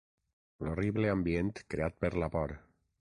L'horrible ambient creat per la por